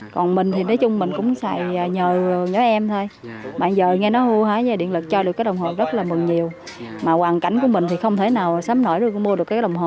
còn mình thì nói chung mình cũng xài nhờ nhớ em thôi bạn vợ nghe nói hư hả nhà điện lực cho được cái đồng hồ rất là mừng nhiều mà hoàn cảnh của mình thì không thể nào sớm nổi được mua được cái đồng hồ